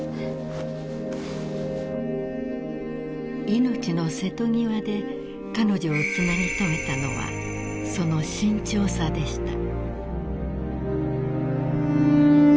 ［命の瀬戸際で彼女をつなぎ留めたのはその慎重さでした］